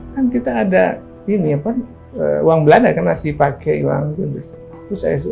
kan kita ada uang belanda yang masih pakai uang itu